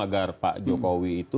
agar pak jokowi itu